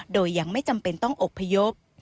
โดยยังไม่จำเป็นต้องอบพยพ